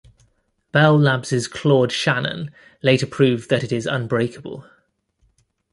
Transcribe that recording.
Bell Labs' Claude Shannon later proved that it is unbreakable.